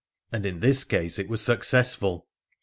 And in this case it was suc cessful.